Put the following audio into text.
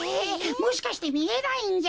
もしかしてみえないんじゃ？